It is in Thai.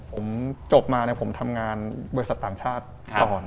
ผมจบมาผมทำงานบริษัทต่างชาติก่อน